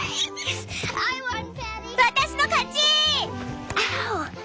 私の勝ちぃ！